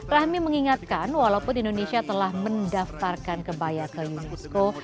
rahmi mengingatkan walaupun indonesia telah mendaftarkan kebaya ke unesco